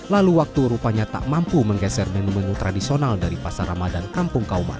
lalu waktu rupanya tak mampu menggeser menu menu tradisional dari pasar ramadan kampung kauman